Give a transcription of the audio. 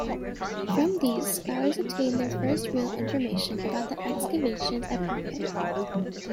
From these, scholars obtained their first real information about the excavations at Pompeii.